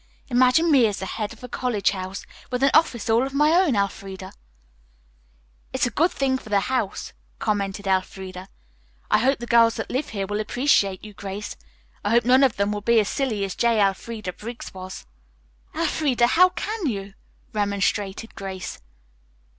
Imagine me as the head of a college house, with an office all my own, Elfreda." "It's a good thing for the house," commented Elfreda. "I hope the girls that live here will appreciate you, Grace. I hope none of them will be as silly as J. Elfreda Briggs was." "Elfreda, how can you?" remonstrated Grace.